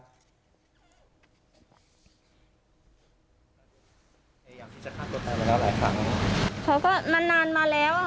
พยายามที่จะฆ่าตัวตายมาแล้วหลายครั้งแล้วเขาก็นานนานมาแล้วอ่ะ